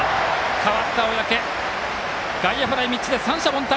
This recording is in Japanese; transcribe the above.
代わった、小宅外野フライ３つで三者凡退。